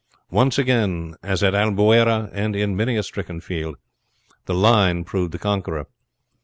Once again, as at Albuera and in many a stricken field, the line proved the conqueror.